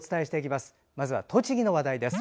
まずは栃木県の話題です。